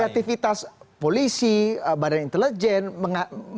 kreativitas polisi badan intelijen dan juga kepolisian negara